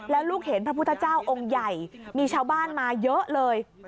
แล้วลูกเห็นพระพุทธเจ้าองค์ใหญ่มีชาวบ้านมาเยอะเลย